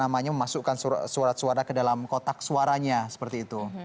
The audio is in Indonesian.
memasukkan surat suara ke dalam kotak suaranya seperti itu